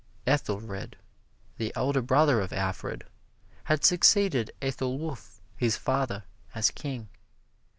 Ethelred, the elder brother of Alfred, had succeeded Ethelwulf, his father, as King.